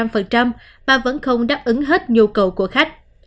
mà vẫn không đáp ứng hết nhu cầu của khách